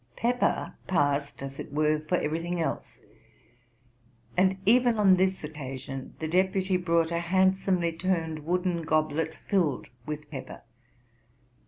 Pepper passed, as it were, for every thing else; and, eyen on this oceasion, the deputy brought a handsomely turned wooden goblet filled with pepper.